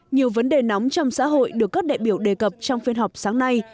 nhiều vấn đề nóng trong xã hội được các đại biểu đề cập trong phiên họp sáng nay